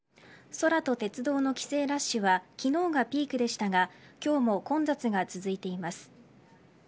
空と鉄道の帰省ラッシュは昨日がピークでしたが今日も混雑が続いています。